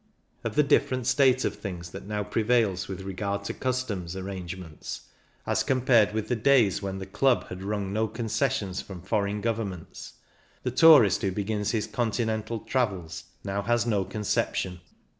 Of the different state of things that now prevails with regard to customs arrange^ ments, as compared with the days when the Club had wrung no concessions from foreign governments, the tourist who begins his continental travels now has no conception.